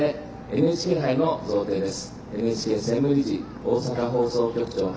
ＮＨＫ杯の授与です。